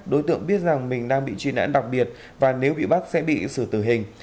đối tượng biết rằng mình đang bị truy nãn đặc biệt và nếu bị bắt sẽ bị xử tử hình